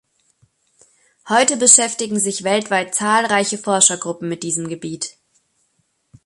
Heute beschäftigen sich weltweit zahlreiche Forschergruppen mit diesem Gebiet.